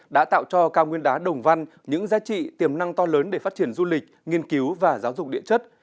đã tạo cho cao nguyên đá đồng văn những giá trị tiềm năng to lớn để phát triển du lịch nghiên cứu và giáo dục địa chất